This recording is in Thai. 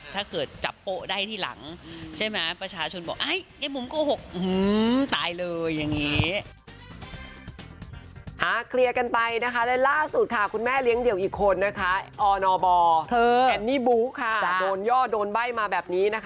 ถ้าเกิดจับโปะได้ที่หลังใช่มั้ยประชาชนบอกไอ้มุมโกหกอื้อหือตายเลยอย่างนี้